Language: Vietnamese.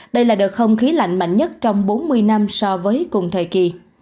đây là đợt không khí lạnh mạnh nhất trong bốn mươi năm so với cùng thời kỳ